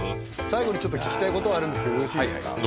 最後にちょっと聞きたいことあるんですけどよろしいですか？